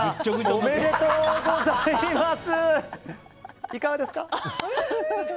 おめでとうございます！